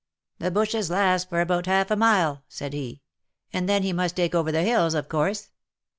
" The bushes last for about half a mile," said he, " and then he must take over the hills, of course.